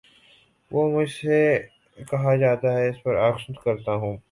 جو مجھ سے کہا جاتا ہے اس کے بر عکس کرتا ہوں